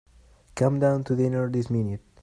Come down to dinner this minute.